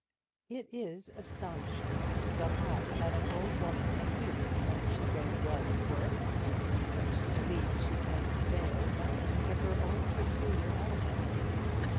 It is astonishing the harm that an old woman may do when she goes well to work, and when she believes she can prevail by means of her own peculiar eloquence.